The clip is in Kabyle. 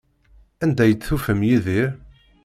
Anda ay d-tufam Yidir?